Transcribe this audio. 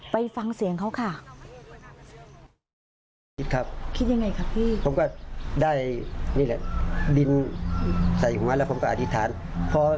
ไปฟังเสียงเขาค่ะ